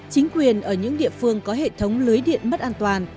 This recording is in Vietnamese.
chính quyền ở những địa phương có hệ thống lưới điện mất an toàn